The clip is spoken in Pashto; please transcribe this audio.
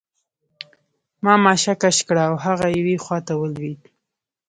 ما ماشه کش کړه او هغه یوې خواته ولوېد